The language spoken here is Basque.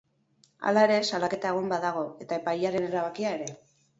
Hala ere, salaketa egon badago, eta epailearen erabakia ere.